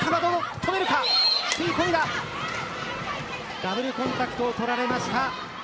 ダブルコンタクトを取られました。